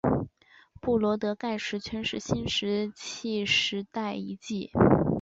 布罗德盖石圈是新石器时代遗迹。